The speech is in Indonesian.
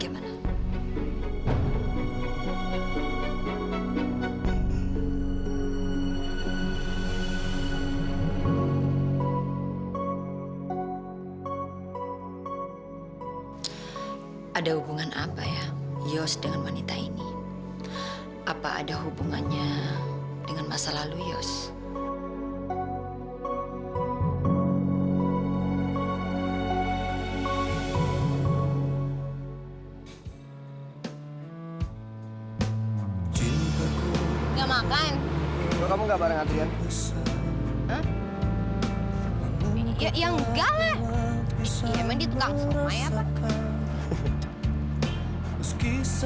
emang ditukang selama ya pak